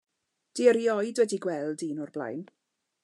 'Di o rioed wedi gweld un o'r blaen.